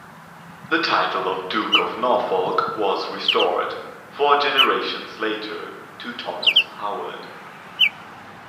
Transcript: The title of Duke of Norfolk was restored, four generations later, to Thomas Howard.